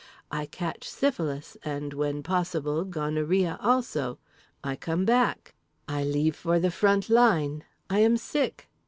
I catch syphilis, and, when possible gonorrhea also. I come back. I leave for the front line. I am sick.